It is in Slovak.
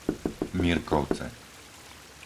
Mirkovce